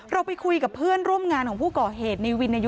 เราไปคุยกับเพื่อนร่วมงานของผู้ก่อเหตุในวินอายุ